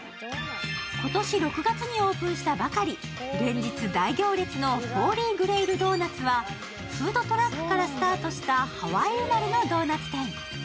今年６月にオープンしたばかり、連日大行列のホーリー・グレイル・ドーナツはフードトラックからスタートしたハワイ生まれのドーナツ店。